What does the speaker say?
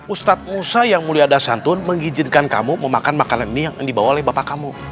ustadz musa yang mulia dan santun mengizinkan kamu memakan makanan ini yang dibawa oleh bapak kamu